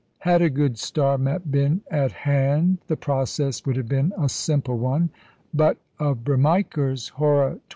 Had a good star map been at hand, the process would have been a simple one; but of Bremiker's "Hora XXI."